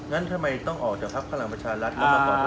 งั้นทำไมต้องออกจากภักดิ์พระรามัชรัฐแล้วมาปลอดภัย